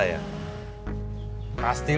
kerus next time